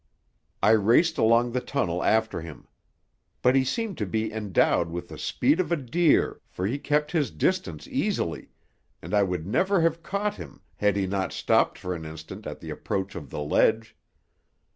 I raced along the tunnel after him. But he seemed to be endowed with the speed of a deer, for he kept his distance easily, and I would never have caught him had he not stopped for an instant at the approach of the ledge.